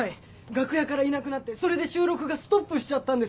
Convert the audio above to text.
楽屋からいなくなってそれで収録がストップしちゃったんです。